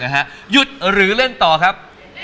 หยุดหรือเล่นต่อครับ